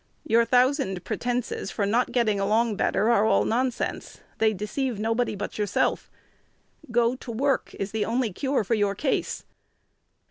Your thousand pretences for not getting along better are all nonsense: they deceive nobody but yourself. Go to work is the only cure for your case.